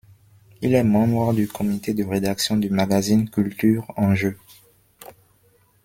Il est membre du Comité de rédaction du magazine Culture Enjeu.